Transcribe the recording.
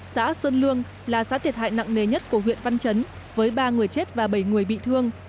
xã sơn lương là xã thiệt hại nặng nề nhất của huyện văn chấn với ba người chết và bảy người bị thương